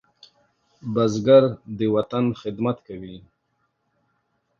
بزګر د وطن خدمت کوي